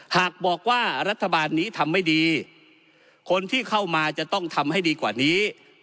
หากบอกว่ารัฐบาลนี้ทำไม่ดีคนที่เข้ามาจะต้องทำให้ดีกว่านี้